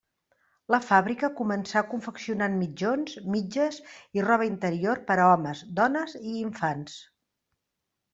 La fàbrica començà confeccionant mitjons, mitges i roba interior per a homes, dones i infants.